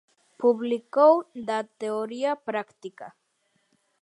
Publicou Da teoría práctica.